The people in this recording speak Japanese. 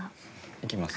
いきます？